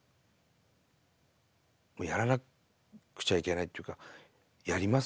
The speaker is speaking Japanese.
やらなくちゃいけないというかやります